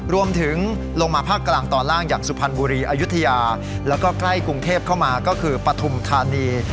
ลงมาภาคกลางตอนล่างอย่างสุพรรณบุรีอายุทยาแล้วก็ใกล้กรุงเทพเข้ามาก็คือปฐุมธานี